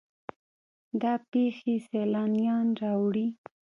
دا پیښې سیلانیان راوړي.